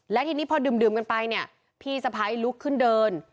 และทีนี้พอดื่มกันไปเนี่ยพี่สะพ้ายลุกขึ้นเดิน